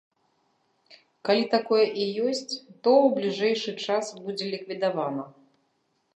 Калі такое і ёсць, то ў бліжэйшы час будзе ліквідавана.